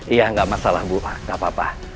iya gak masalah bu gak apa apa